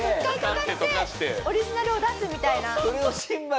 一回溶かしてオリジナルを出すみたいな。